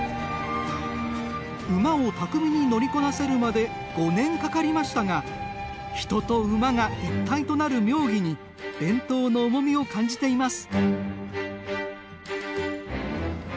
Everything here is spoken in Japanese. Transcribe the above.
馬を巧みに乗りこなせるまで５年かかりましたが人と馬が一体となる妙技に伝統の重みを感じています。